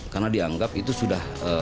karena dianggap itu sudah